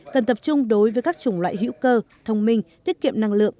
cần tập trung đối với các chủng loại hữu cơ thông minh tiết kiệm năng lượng